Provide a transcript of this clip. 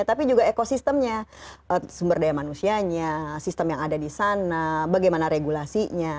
tapi juga ekosistemnya sumber daya manusianya sistem yang ada di sana bagaimana regulasinya